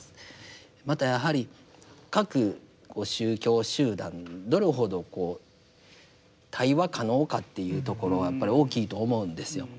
またやはり各宗教集団どれほどこう対話可能かっていうところはやっぱり大きいと思うんですよ。